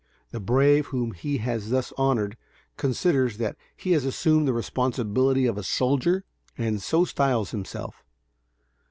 The brave whom he has thus honoured, considers that he has assumed the responsibility of a "soldier," and so styles himself.